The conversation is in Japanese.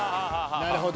なるほど。